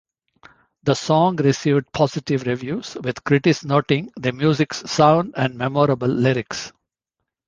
The song received positive reviews, with critics noting the music's sound and memorable lyrics.